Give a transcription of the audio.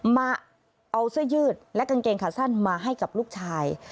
มาเอาเสื้อยืดและกางเกงขาสั้นมาให้กับลูกชาย